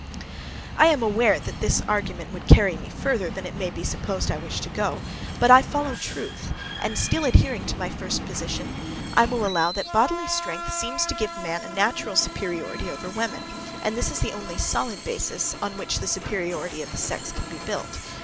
I am aware, that this argument would carry me further than it may be supposed I wish to go; but I follow truth, and still adhering to my first position, I will allow that bodily strength seems to give man a natural superiority over woman; and this is the only solid basis on which the superiority of the sex can be built.